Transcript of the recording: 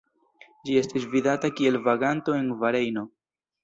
Ĝi estis vidata kiel vaganto en Barejno.